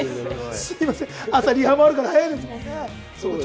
すみません、朝リハもあるから早いですもんね。